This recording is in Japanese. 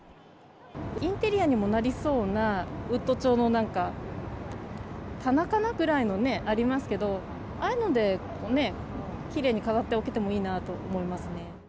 インテリアにもなりそうな、ウッド調のなんか、棚かなぐらいの、ありますけどね、ああいうのでね、きれいに飾っておいてもいいなと思いますね。